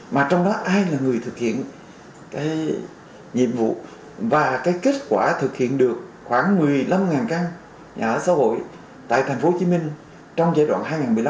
mà trong đó ai là người thực hiện cái nhiệm vụ và cái kết quả thực hiện được khoảng một mươi năm căn nhà ở xã hội tại tp hcm trong giai đoạn hai nghìn một mươi sáu hai nghìn hai mươi